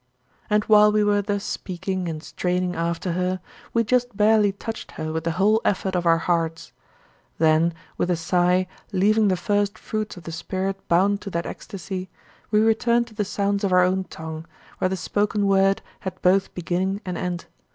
And while we were thus speaking and straining after her, we just barely touched her with the whole effort of our hearts. Then with a sigh, leaving the first fruits of the Spirit bound to that ecstasy, we returned to the sounds of our own tongue, where the spoken word had both beginning and end.